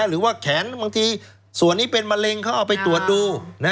หรือว่าแขนบางทีส่วนนี้เป็นมะเร็งเขาเอาไปตรวจดู